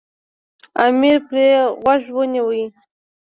امیر پرې غوږ ونه نیوی.